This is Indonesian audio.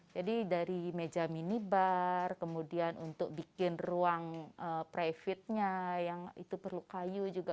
jadi dari meja minibar kemudian untuk bikin ruang private nya yang itu perlu kayu juga